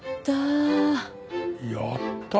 やったあ。